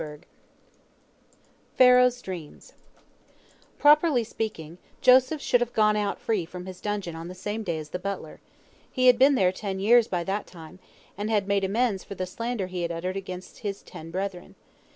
PHARAOH'S DREAMS Properly speaking, Joseph should have gone out free from his dungeon on the same day as the butler. He had been there ten years by that time, and had made amends for the slander he had uttered against his ten brethren.